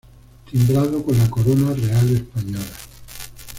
Timbrado con la corona Real Española.